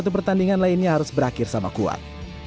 lima puluh satu pertandingan lainnya harus berakhir sama kuat